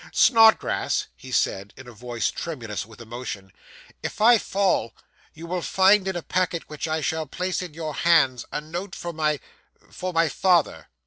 'Snodgrass,' he said, in a voice tremulous with emotion, 'if I fall, you will find in a packet which I shall place in your hands a note for my for my father.